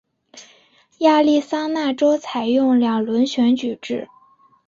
亚利桑那州采用两轮选举制。